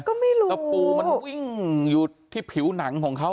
ก็ไม่รู้ตะปูมันวิ่งอยู่ที่ผิวหนังของเขา